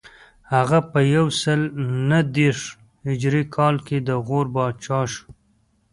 هغه په یو سل نهه دېرش هجري کال کې د غور پاچا شو